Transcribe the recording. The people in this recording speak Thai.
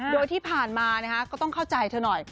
โดยที่ผ่านมาก็ต้องเข้าใจเธอหน่อย